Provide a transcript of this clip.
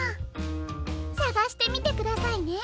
さがしてみてくださいね。